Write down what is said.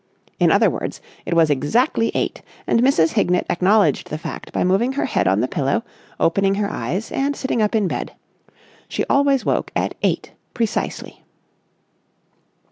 In other words, it was exactly eight; and Mrs. Hignett acknowledged the fact by moving her head on the pillow, opening her eyes, and sitting up in bed. She always woke at eight precisely.